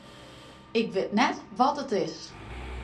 Ik wit net wat it is.